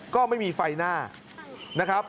ก็ไม่มีไฟหน้านะครับ